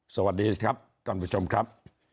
สวัสดีครับท่านผู้ชมครับ